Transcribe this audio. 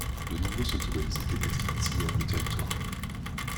De nombreux sentiers balisés pédestres sillonnent le territoire.